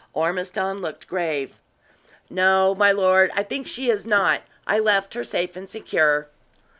Ormiston looked grave. "No, my lord, I think she is not. I left her safe and secure."